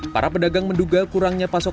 para pedagang menduga kurangnya pasokan